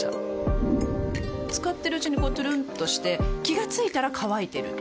使ってるうちにこうトゥルンとして気が付いたら乾いてる